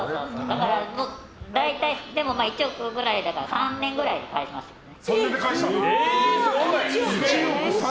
だから、１億ぐらいだから３年ぐらいで返しましたけどね。